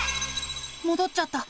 もどっちゃった。